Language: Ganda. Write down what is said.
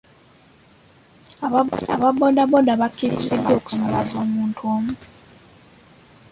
Aba boodabooda bakkiriziddwa okusaabaza omuntu omu.